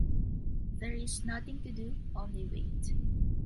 There is nothing to do, only wait.